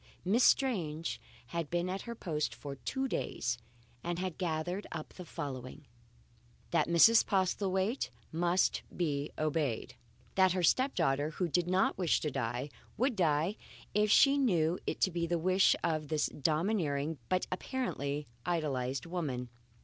Miss Strange had been at her post for two days, and had gathered up the following: That Mrs. Postlethwaite must be obeyed. That her step daughter (who did not wish to die) would die if she knew it to be the wish of this domineering but apparently idolized woman.